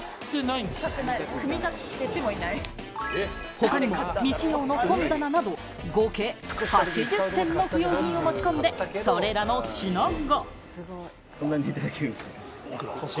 他にも未使用の本棚など合計８０点の不用品を持ち込んで、それらの品が。